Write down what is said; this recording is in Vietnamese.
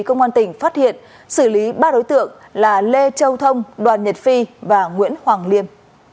công an tỉnh phát hiện xử lý ba đối tượng là lê châu thông đoàn nhật phi và nguyễn hoàng liêm